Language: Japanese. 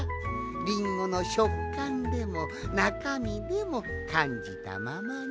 リンゴのしょっかんでもなかみでもかんじたままに。